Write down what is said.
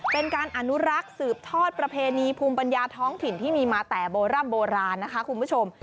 เป็นการอนุรักษ์สืบทอดประเพณีภูมิปัญญาท้องถิ่นที่มีมาแต่โบร่ำโบราณนะคะคุณผู้ชม